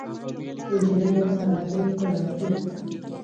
نجلۍ له سادګۍ ښکلا اخلي.